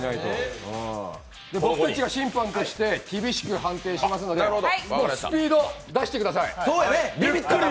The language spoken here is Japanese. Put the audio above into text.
僕たちが審判として厳しく判定しますのでスピード出してください。